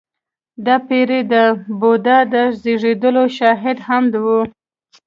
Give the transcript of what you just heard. • دا پېړۍ د بودا د زېږېدو شاهده هم وه.